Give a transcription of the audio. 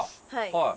はい。